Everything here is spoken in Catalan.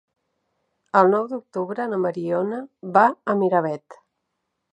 El nou d'octubre na Mariona va a Miravet.